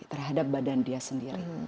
terhadap badan dia sendiri